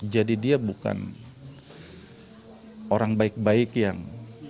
jadi dia bukan orang baik baik yang